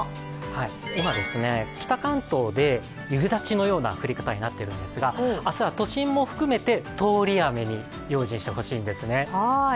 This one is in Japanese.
今、北関東で夕立のような降り方になっているんですが、明日は都心も含めて、通り雨に用心してほしいんですね。